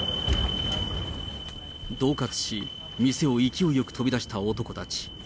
どう喝し、店を勢いよく飛び出した男たち。